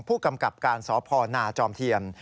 ผู้กำกับการสพนาจอมเทียม